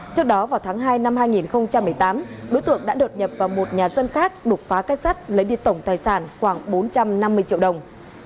trước đó vào tháng hai năm hai nghìn một mươi tám đối tượng đã đột nhập vào một nhà dân khác đột phá kết sắt lấy đi tổng tài sản khoảng bốn trăm năm mươi triệu đồng